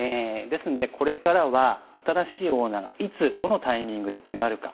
ですので、これからは新しいオーナーがいつどのタイミングで決まるか。